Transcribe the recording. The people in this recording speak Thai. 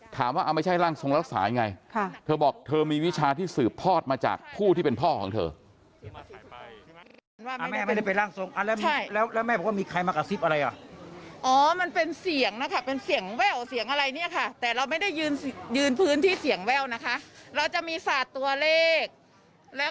ถามว่าไม่ใช่ร่างทรงรักษายังไงเธอบอกเธอมีวิชาที่สืบทอดมาจากผู้ที่เป็นพ่อของเธอ